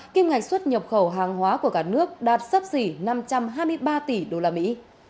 kim ngạch xuất nhập khẩu hàng hóa của cả nước đạt sấp xỉ năm trăm hai mươi ba tỷ đô la mỹ